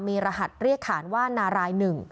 มีรหัสเรียกขานว่านาราย๑